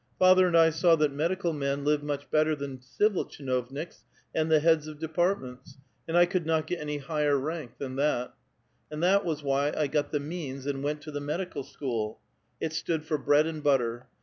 F'athcr and 1 saw that medical men live much better than civil tchinovniks and the heads of de partments, and 1 could not get any higher rank than that. And that was why I got the means and went to the medical school ; it stood for bread and butter.